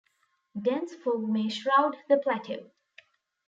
Dense fog may shroud the plateau.